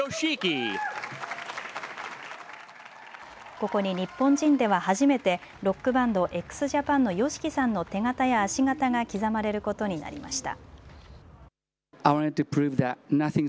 ここに日本人では初めてロックバンド、ＸＪＡＰＡＮのＹＯＳＨＩＫＩさんの手形や足形が刻まれることになりました。